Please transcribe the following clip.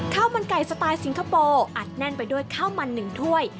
ข้าวมันไก่สไตล์สิงคโปร์อัดแน่นไปด้วยข้าวมัน๑ถ้วย